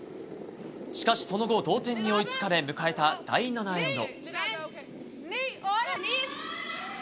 しかしその後、同点に追いつかれ、迎えた第７エンド。